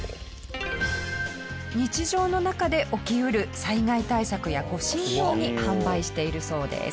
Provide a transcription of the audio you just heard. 日常の中で起き得る災害対策や護身用に販売しているそうです。